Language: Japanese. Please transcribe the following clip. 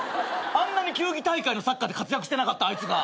あんなに球技大会のサッカーで活躍してなかったあいつが。